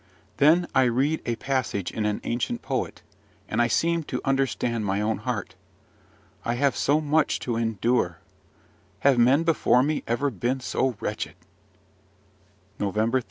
Then I read a passage in an ancient poet, and I seem to understand my own heart. I have so much to endure! Have men before me ever been so wretched? NOVEMBER 30.